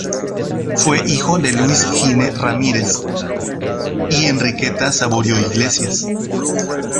Fue hijo de Luis Hine Ramírez y Enriqueta Saborío Iglesias.